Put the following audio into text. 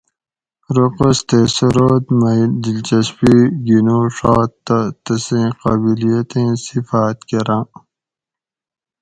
رقص تے سُرود) مئ دلچسپی گِنُوڛات تہ تسیں قابلیتیں صفاۤت کراۤں